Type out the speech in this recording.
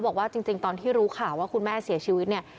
บอกว่าจริงตอนที่รู้ข่าวว่าคุณแม่เสียชีวิตเนี่ย